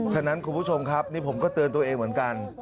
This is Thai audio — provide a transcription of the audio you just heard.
ฉะนั้นคุณผู้ชมครับนี่ผมก็เตือนตัวเองเหมือนกัน